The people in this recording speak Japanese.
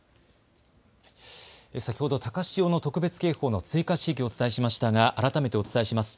先ほど高潮の特別警報の追加地域、お伝えしましたが改めてお伝えします。